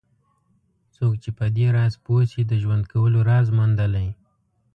څوک چې په دې راز پوه شي د ژوند کولو راز موندلی.